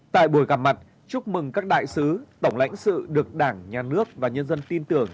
tại buổi gặp mặt chúc mừng các đại sứ tổng lãnh sự được đảng nhà nước và nhân dân tin tưởng